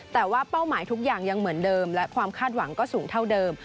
แต่ว่าเป้าหมายทุกอย่างยังเหมือนเดิมและความคาดหวังก็สูงเท่าเดิม